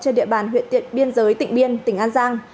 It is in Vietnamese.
trên địa bàn huyện tiện biên giới tỉnh biên tỉnh an giang